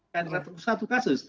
karena satu kasus